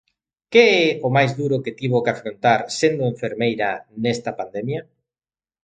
Que é o mais duro que tivo que afrontar sendo enfermeira nesta pandemia?